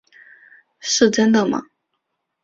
是真的吗？